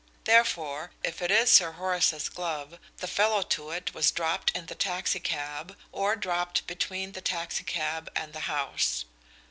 Therefore, if it is Sir Horace's glove the fellow to it was dropped in the taxi cab, or dropped between the taxi cab and the house.